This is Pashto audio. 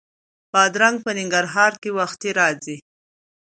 بادرنګ په ننګرهار کې وختي راځي